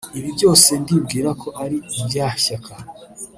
Ibi byose ndibwira ko ari rya shyaka